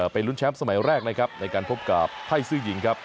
ลุ้นแชมป์สมัยแรกนะครับในการพบกับไทยซื้อหญิงครับ